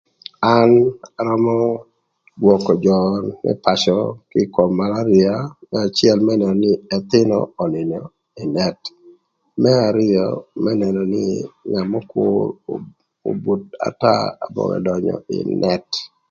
An arömö gwökö jö më pacö kï ï kom malaria më acël mërë nï ëthïnö önïnö ï nët, Më arïö më nënö nï ngat mörö kür obut ata abonge dönyö ï net